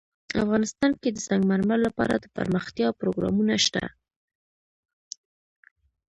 افغانستان کې د سنگ مرمر لپاره دپرمختیا پروګرامونه شته.